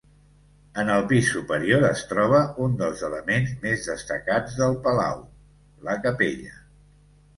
En el pis superior es troba un dels elements més destacats del palau, la capella.